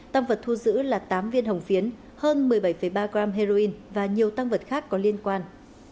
tăng vật thu giữ là tám viên hồng phiến hơn một mươi bảy ba gram heroin và nhiều tăng vật khác có liên quan